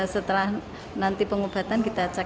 setelah nanti pengobatan kita cek